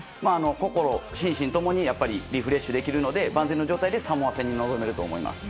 心身ともにリフレッシュできるので万全の状態でサモア戦に臨めると思います。